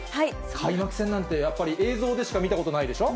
開幕戦なんて、やっぱり映像でしか見たことないでしょう？